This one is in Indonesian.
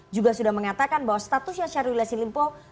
juga sudah mengatakan bahwa statusnya syahrul yassin limpo